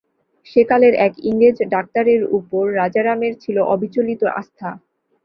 সেকালের এক ইংরেজ ডাক্তারের উপর রাজারামের ছিল অবিচলিত আস্থা।